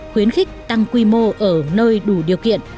khuyến khích tăng quy mô ở nơi đủ điều kiện